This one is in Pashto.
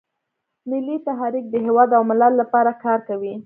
ملي تحریک د هیواد او ملت لپاره کار کوي